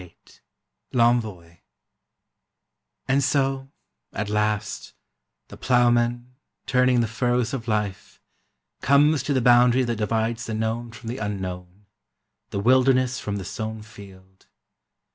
VIII L'ENVOI And so, at last, the plowman, turning the furrows of life, comes to the boundary that divides the known from the unknown—the wilderness from the sown field.